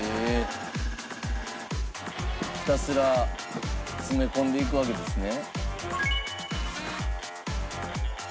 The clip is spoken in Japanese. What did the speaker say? ひたすら詰め込んでいくわけですね。